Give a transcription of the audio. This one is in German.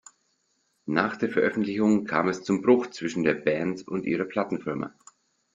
Nach der Veröffentlichung kam es zum Bruch zwischen der Band und ihrer Plattenfirma.